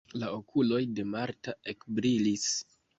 La okuloj de Marta ekbrilis.